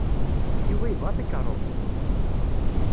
Yuba yebɣa takeṛṛust?